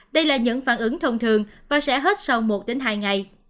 đây là những phản ứng thông thường và sẽ hết sau một đến hai ngày